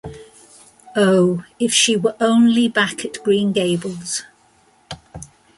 Oh, if she were only back at Green Gables!